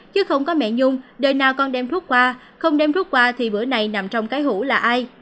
chứ không có mẹ nhung đời nào con đem thuốc qua không đem thuốc qua thì bữa này nằm trong cái hũ là ai